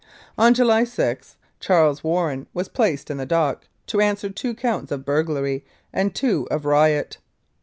On July 6 Charles Warren was placed in the dock to answer two counts of burglary and two of riot.